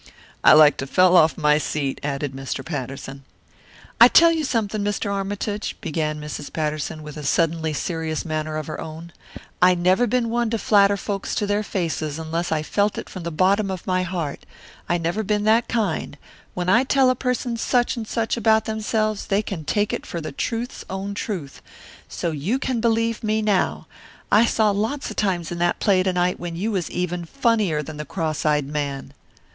"I like to fell off my seat," added Mr. Patterson. "I'll tell you something, Mr. Armytage," began Mrs. Patterson with a suddenly serious manner of her own, "I never been one to flatter folks to their faces unless I felt it from the bottom of my heart I never been that kind; when I tell a person such and such about themselves they can take it for the truth's own truth; so you can believe me now I saw lots of times in that play to night when you was even funnier than the cross eyed man."